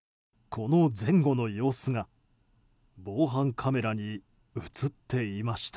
この前後の様子が防犯カメラに映っていました。